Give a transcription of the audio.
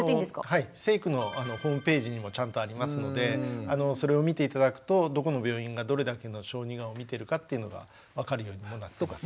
成育のホームページにもちゃんとありますのでそれを見て頂くとどこの病院がどれだけの小児がんをみてるかっていうのが分かるようにもなってます。